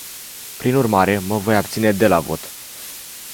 Prin urmare, mă voi abține de la vot.